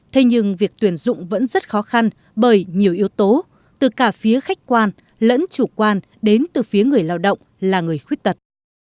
thế nhưng việc tuyển dụng vẫn rất khó khăn bởi nhiều yếu tố từ cả phía khách quan lẫn chủ quan đến từ phía người lao động là người khuyết tật